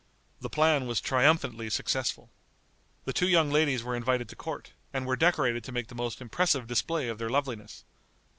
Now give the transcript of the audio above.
The plan was triumphantly successful. The two young ladies were invited to court, and were decorated to make the most impressive display of their loveliness.